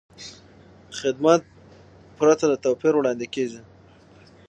خدمت پرته له توپیر وړاندې کېږي.